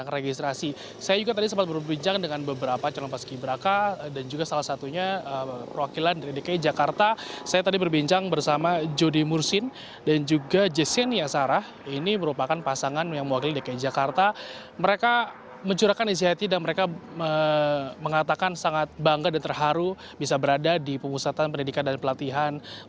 apakah sehingga siang ini semua calon paski berak akan menjalani pemusatan pelatihan